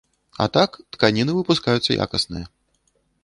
А так, тканіны выпускаюцца якасныя.